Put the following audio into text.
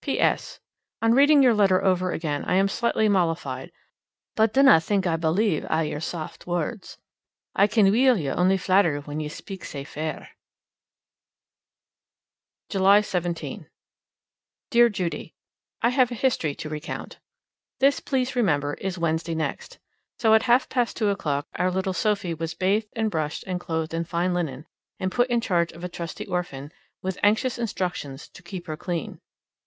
S. P.S. On reading your letter over again I am slightly mollified, but dinna think I believe a' your saft words. I ken weel ye only flatter when ye speak sae fair. July 17. Dear Judy: I have a history to recount. This, please remember, is Wednesday next. So at half past two o'clock our little Sophie was bathed and brushed and clothed in fine linen, and put in charge of a trusty orphan, with anxious instructions to keep her clean.